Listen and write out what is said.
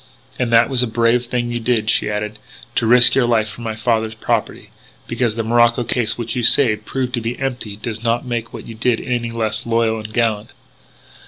"And that was a brave thing you did," she added, " to risk your life for my father's property. Because the morocco case which you saved proved to be empty does not make what you did any the less loyal and gallant."